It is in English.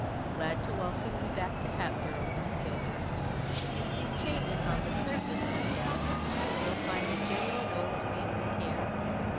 Glad to welcome you back to Hatboro', Miss Kilburn. You see changes on the surface, no doubt, but you'll find the genuine old feeling here.